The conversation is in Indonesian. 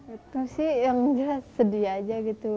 itu sih yang jelas sedih aja gitu